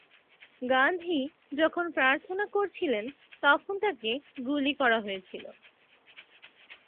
গান্ধী যখন প্রার্থনা করছিলেন, তখন তাকে গুলি করা হয়েছিল।